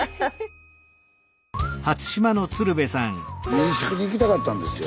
民宿に行きたかったんですよ。